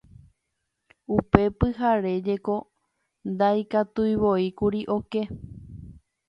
Upe pyhare jeko ndaikatuivoíkuri oke